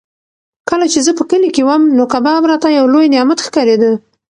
کله چې زه په کلي کې وم نو کباب راته یو لوی نعمت ښکارېده.